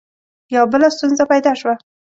یوه بله ستونزه پیدا شوه.